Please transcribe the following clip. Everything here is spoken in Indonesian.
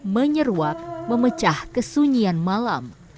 menyeruak memecah kesunyian malam